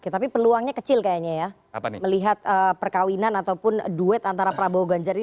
oke tapi peluangnya kecil kayaknya ya melihat perkawinan ataupun duet antara prabowo ganjar ini